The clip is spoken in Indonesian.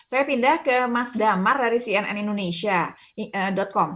saya pindah ke mas damar dari cnn indonesia com